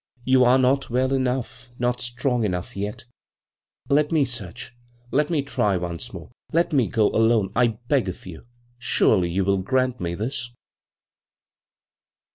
" You are not well enough, not strong enough yet Let me search. Let me try once more. Let me go alone, I beg of you. Surely you will grant me this?